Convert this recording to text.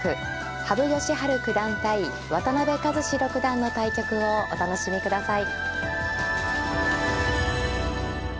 羽生善治九段対渡辺和史六段の対局をお楽しみください。